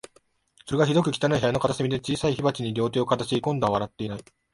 それが、ひどく汚い部屋の片隅で、小さい火鉢に両手をかざし、今度は笑っていない